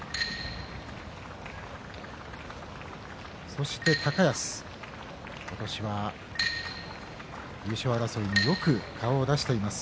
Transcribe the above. そして、高安今年は優勝争いに、よく顔を出しています。